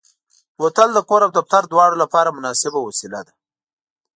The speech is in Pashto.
بوتل د کور او دفتر دواړو لپاره مناسبه وسیله ده.